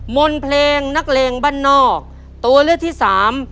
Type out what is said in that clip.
มนต์เพลงนักเลงบ้านนอกตัวเลือกที่สาม